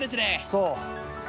そう。